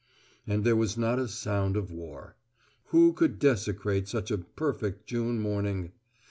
And there was not a sound of war. Who could desecrate such a perfect June morning?